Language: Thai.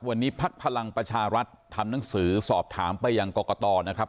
วันนี้พักพลังประชารัฐทำหนังสือสอบถามไปยังกรกตนะครับ